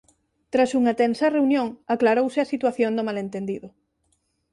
Tras unha tensa reunión aclarouse a situación do malentendido.